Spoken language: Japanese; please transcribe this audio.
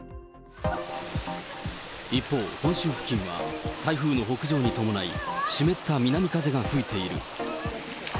一方、本州付近は台風の北上に伴い、湿った南風が吹いている。